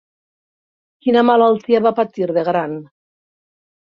Quina malaltia va patir de gran?